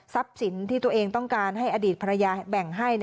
สินที่ตัวเองต้องการให้อดีตภรรยาแบ่งให้